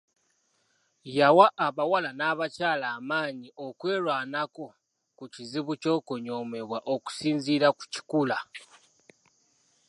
Yawa abawala n'abakyala amaanyi okwerwanako ku kizibu ky'okunyoomebwa okusinziira ku kikula.